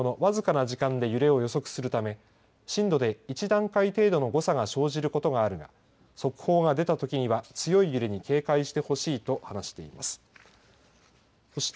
気象庁は緊急地震速報は地震直後の僅かな時間で揺れを予測するため震度で１段階程度の誤差が生じることはあるが速報が出たときには強い揺れに警戒してほしいと話しています。